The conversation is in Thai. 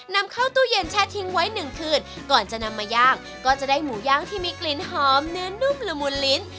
นำเข้าตู้เย็นแช่ทิ้งไว้หนึ่งคืนก่อนจะนำมาย่างก็จะได้หมูย่างที่มีกลิ่นหอมเนื้อนุ่มละมุนลิ้น